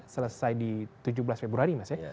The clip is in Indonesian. selesai di tujuh belas februari mas ya